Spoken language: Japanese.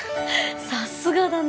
さすがだね